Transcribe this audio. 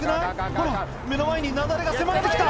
「ほら目の前に雪崩が迫ってきた」